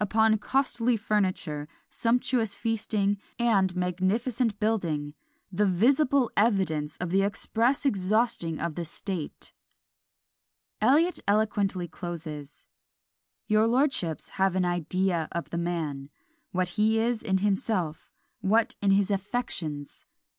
Upon costly furniture, sumptuous feasting, and magnificent building, the visible evidence of the express exhausting of the state!" Eliot eloquently closes Your lordships have an idea of the man, what he is in himself, what in his affections!